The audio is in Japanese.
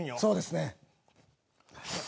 そうですね。